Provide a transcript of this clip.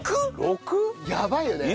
やばいよね。